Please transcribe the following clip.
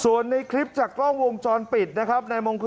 ส่วนในคลิปจากกล้องวงจรปิดนะครับ